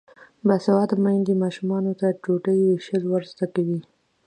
باسواده میندې ماشومانو ته ډوډۍ ویشل ور زده کوي.